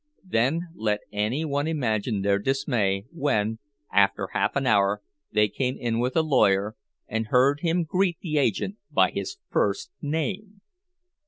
Then let any one imagine their dismay, when, after half an hour, they came in with a lawyer, and heard him greet the agent by his first name!